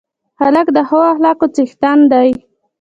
هلک د ښه اخلاقو څښتن دی.